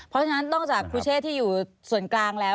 เพราะฉะนั้นนอกจากครูเชษที่อยู่ส่วนกลางแล้ว